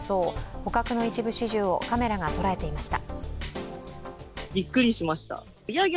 捕獲の一部始終をカメラが捉えていました。